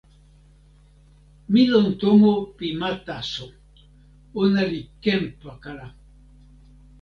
mi lon tomo pi ma taso. ona li ken pakala.